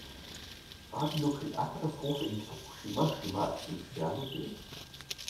War die Nuklearkatastrophe in Fukushima schlimmer als in Tschernobyl?